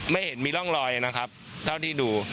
ไม่เห็นมีร่องรอยนะครับเท่าที่ดู